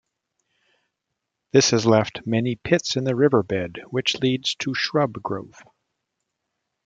This has left many pits in the river bed, which leads to shrub growth.